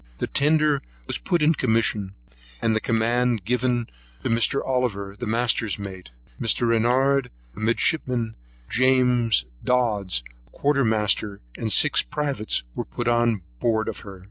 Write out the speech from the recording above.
The tender was put in commission, and the command of her given to Mr. Oliver the master's mate, Mr. Renouard a midshipman, James Dodds a quartermaster; and six privates were put on board of her.